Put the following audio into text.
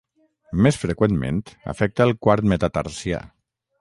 Més freqüentment afecta el quart metatarsià.